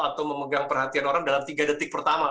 atau memegang perhatian orang dalam tiga detik pertama